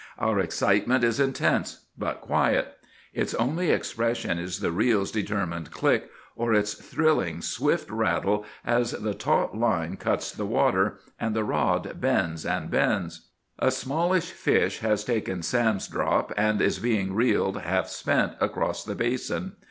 Our excitement is intense, but quiet. Its only expression is the reel's determined click, or its thrilling, swift rattle as the taut line cuts the water, and the rod bends and bends. A smallish fish has taken Sam's "drop," and is being reeled, half spent, across the basin.